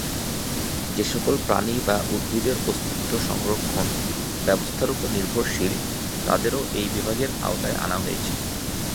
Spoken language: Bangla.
যে সকল প্রাণী বা উদ্ভিদের অস্তিত্ব সংরক্ষণ ব্যবস্থার উপর নির্ভরশীল, তাদেরও এই বিভাগের আওতায় আনা হয়েছে।